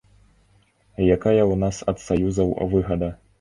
Якая ў нас ад саюзаў выгада?